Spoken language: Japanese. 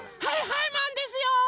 はいはいマンですよ！